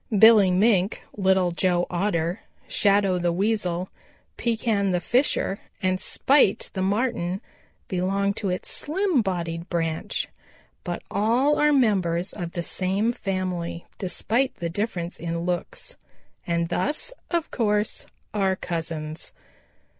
Billy Mink, Little Joe Otter, Shadow the Weasel, Pekan the Fisher and Spite the Marten belong to its slim bodied branch. But all are members of the same family despite the difference in looks, and thus, of course, are cousins.